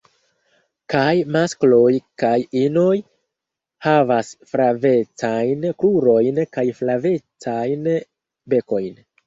Kaj maskloj kaj inoj havas flavecajn krurojn kaj flavajn bekojn.